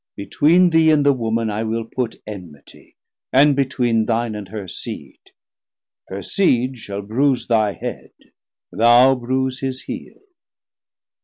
Between Thee and the Woman I will put Enmitie, and between thine and her Seed; 180 Her Seed shall bruise thy head, thou bruise his heel.